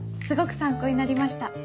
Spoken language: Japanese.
すごく参考になりました。